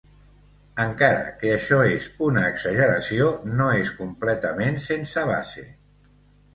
Encara que això és una exageració, no és completament sense base.